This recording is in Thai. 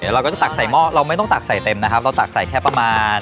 เราก็จะตักใส่หม้อเราไม่ต้องตักใส่เต็มนะครับเราตักใส่แค่ประมาณ